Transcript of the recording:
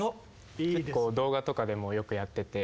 結構動画とかでもよくやってて。